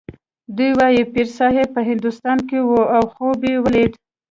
دوی وايي پیرصاحب په هندوستان کې و او خوب یې ولید.